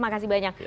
terima kasih banyak